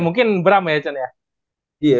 mungkin bram ya chon ya